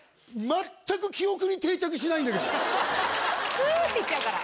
スっていっちゃうから。